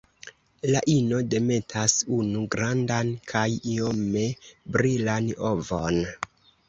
La ino demetas unu grandan kaj iome brilan ovon.